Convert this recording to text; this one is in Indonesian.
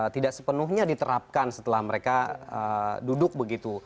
tidak sepenuhnya diterapkan setelah mereka duduk begitu